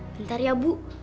bentar ya bu